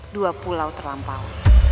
dua pulau terlampau